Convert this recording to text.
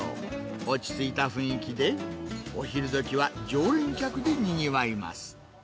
落ち着いた雰囲気で、お昼どきは常連客でにぎわいます。